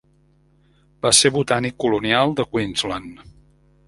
Va ser botànic colonial de Queensland.